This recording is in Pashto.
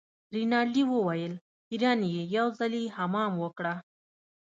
رینالډي وویل خیرن يې یو ځلي حمام وکړه.